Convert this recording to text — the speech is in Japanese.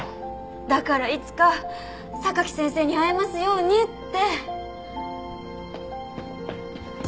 だからいつか榊先生に会えますようにって。